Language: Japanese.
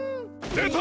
でた！